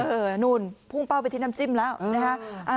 นู่นพุ่งเป้าไปที่น้ำจิ้มแล้วนะฮะ